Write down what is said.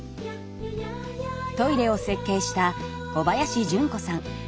トイレを設計した小林純子さん。